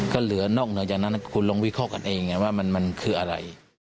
ก็เหลือนอกเหนือจากนั้นคุณลองวิเคราะห์กันเองไงว่ามันคืออะไร